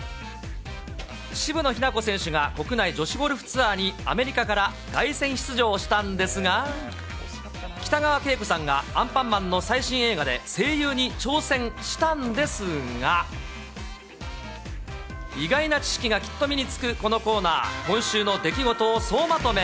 渋野日向子選手が、国内女子ゴルフツアーにアメリカから凱旋出場したんですが、北川景子さんが、アンパンマンの最新映画で声優に挑戦したんですが、意外な知識がきっと身につくこのコーナー、今週の出来事を総まとめ。